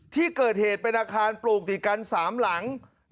ที่เกิดเหตุเป็นอาคารปลูกติดกัน๓หลัง